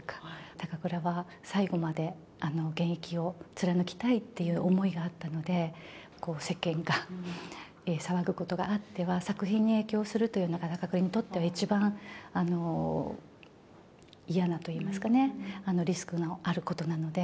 高倉は最後まで、現役を貫きたいっていう思いがあったので、世間が騒ぐことがあっては、作品に影響するというのが、高倉にとっては一番、嫌なといいますかね、リスクのあることなので。